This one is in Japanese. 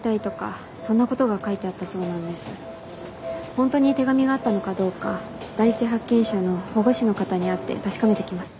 本当に手紙があったのかどうか第一発見者の保護司の方に会って確かめてきます。